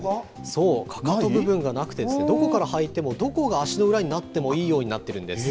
そう、かかと部分がなくて、どこから履いても、どこが足の裏になってもいいようになっているんです。